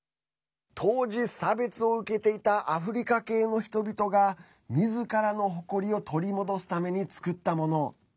当時、差別を受けていたアフリカ系の人々がみずからの誇りを取り戻すために作ったもの。